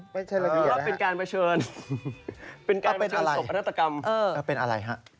ไม่ใช่ระเบียนะฮะดูว่าเป็นการประเชิญเป็นการประเชิญศพอธัตรกรรมแล้วก็เป็นอะไรฮะ